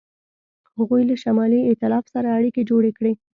هغوی له شمالي ایتلاف سره اړیکې جوړې کړې.